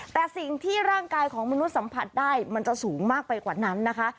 แต่สิ่งที่ร่างกายของมนุษย์สัมผัสได้มันจะสูงมากไปกว่านั้นนะคะ